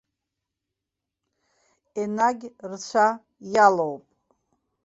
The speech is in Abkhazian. Енагь рцәа иалоуп.